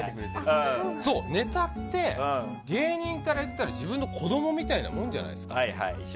ネタって芸人から言ったら自分の子供みたいなもんじゃないですか。